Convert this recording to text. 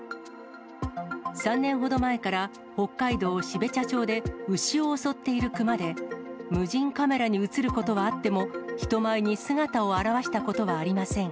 ３年ほど前から、北海道標茶町で牛を襲っているクマで、無人カメラに写ることはあっても、人前に姿を現したことはありません。